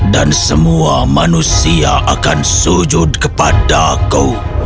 dan semua manusia akan sujud kepadamu